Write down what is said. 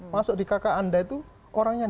masuk di kk anda itu orangnya yang